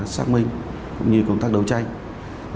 xác minh cũng như công tác đấu tranh